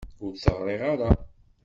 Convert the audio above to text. Ur t-ɣriɣ ara.